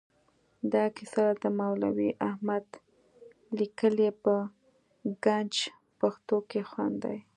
دا کیسه د مولوي احمد لیکلې په ګنج پښتو کې خوندي ده.